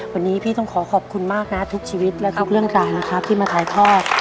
วันนี้พี่ต้องขอขอบคุณมากนะทุกชีวิตและทุกเรื่องราวนะครับที่มาถ่ายทอด